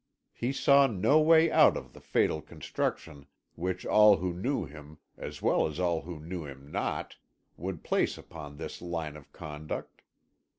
He saw no way out of the fatal construction which all who knew him, as well as all who knew him not, would place upon this line of conduct.